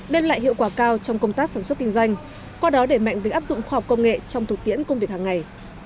đem lại hiệu quả cao trong công tác sản xuất kinh doanh qua đó để mạnh việc áp dụng khoa học công nghệ trong thực tiễn công việc hàng ngày